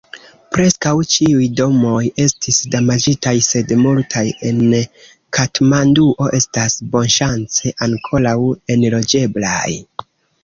Preskaŭ ĉiuj domoj estis damaĝitaj, sed multaj en Katmanduo estas bonŝance ankoraŭ enloĝeblaj.